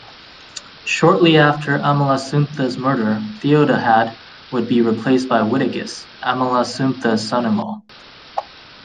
Shortly after Amalasuntha's murder, Theodahad would be replaced by Witigis, Amalasuntha's son-in-law.